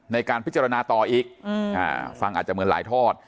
ในการพิจารณาต่ออีกฟังอาจจะเหมือนหลายทอด